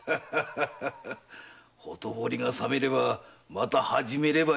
ほとぼりがさめればまた始めればよい。